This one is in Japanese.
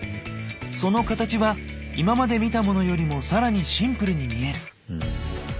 その形は今まで見たモノよりも更にシンプルに見える。